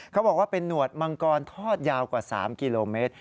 เขาบอกว่าเป็นหนวดมังกรทอดยาวกว่า๓กิโลเมตร